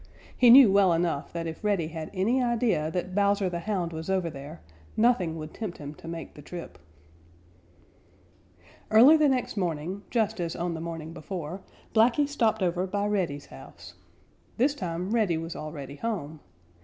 He knew well enough that if Reddy had any idea that Bowser the Hound was over there, nothing would tempt him to make the trip. Early the next morning, just as on the morning before, Blacky stopped over by Reddy's house. This time Reddy was already home.